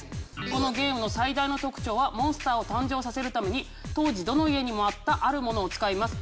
このゲームの最大の特徴はモンスターを誕生させるために当時どの家にもあったあるものを使います。